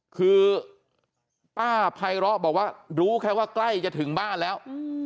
คือป้าไพร้อบอกว่ารู้แค่ว่าใกล้จะถึงบ้านแล้ว